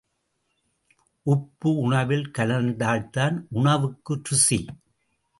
உப்பு, உணவில் கலந்தால்தான் உணவுக்கு ருசி.